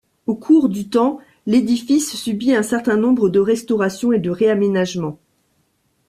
Au cours du temps, l'édifice subit un certain nombre de restauration et de réaménagement.